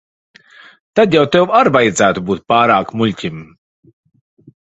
Tad jau tev ar vajadzētu būt pārāk muļķim.